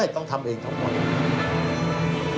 ไม่ได้ต้องทำเองทั้งหมด